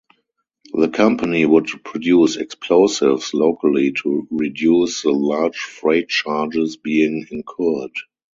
The company would produce explosives locally to reduce the large freight charges being incurred.